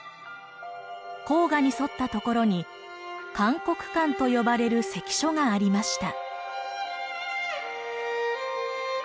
黄河に沿ったところに函谷関と呼ばれる関所がありました。